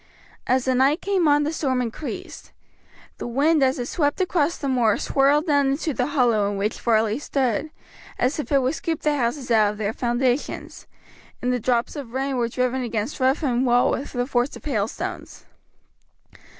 As the night came on the storm increased. The wind as it swept across the moor swirled down into the hollow in which Varley stood, as if it would scoop the houses out of their foundations, and the drops of rain were driven against roof and wall with the force of hailstones.